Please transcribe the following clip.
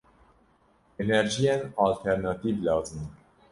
Enerjiyên alternatîv lazim e.